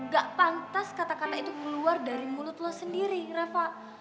gak pantas kata kata itu keluar dari mulut lo sendiri rafa